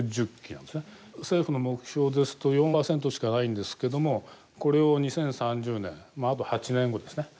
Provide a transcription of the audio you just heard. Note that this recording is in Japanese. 政府の目標ですと４％しかないんですけどもこれを２０３０年あと８年後ですね。